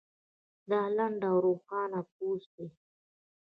دا لنډ او روښانه پوسټ دی